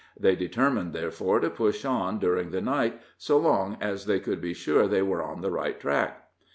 They determined, therefore, to push on during the night, so long as they could be sure they were on the right track.